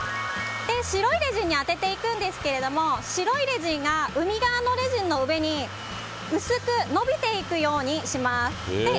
白いレジンに当てていくんですが白いレジンが海側のレジンの上に薄く延びていくようにします。